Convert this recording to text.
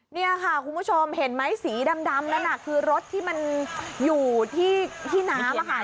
นี่ค่ะคุณผู้ชมเห็นไหมสีดำนั่นน่ะคือรถที่มันอยู่ที่น้ำค่ะ